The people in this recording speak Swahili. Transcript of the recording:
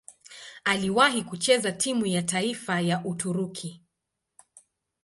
Aliwahi kucheza timu ya taifa ya Uturuki.